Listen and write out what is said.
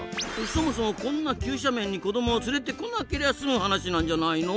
そもそもこんな急斜面に子どもを連れてこなけりゃすむ話なんじゃないの？